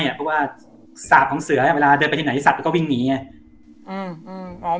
เพราะว่าสาปของเสืออ่ะเวลาเดินไปที่ไหนที่สัตว์เขาก็วิ่งหนีอย่างงี้